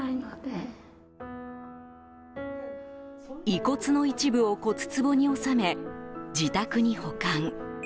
遺骨の一部を骨つぼに納め自宅に保管。